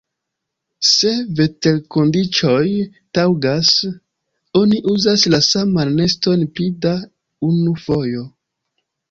Se veterkondiĉoj taŭgas, oni uzas la saman neston pli da unu fojo.